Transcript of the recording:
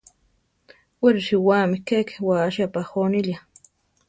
We risiwáme keke wási apajónilia.